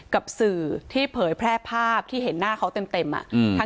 กับสื่อที่เผยแพร่ภาพที่เห็นหน้าเขาเต็มอ่ะ